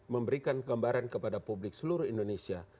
memberikan gambaran kepada publik seluruh indonesia